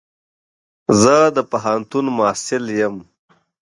زه د پوهنتون محصل يم.